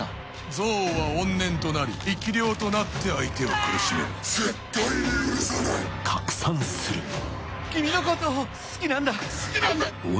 憎悪は怨念となり生き霊となって相手を苦しめる絶対に許さない君のことを好きなんだ